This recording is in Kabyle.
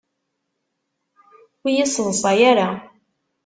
Ur yi-ssaḍsay ara!